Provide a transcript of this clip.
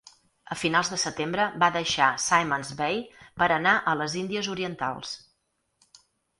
A finals de setembre va deixar Simon's Bay per anar a les Índies Orientals.